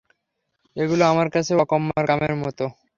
এগুলো আমার কাছে অকম্মার কামের মতো।